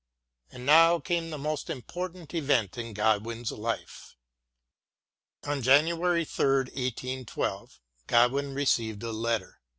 And now came the most important event in Godwin's life. On January 3, 1812, Godwin re ceived a letter.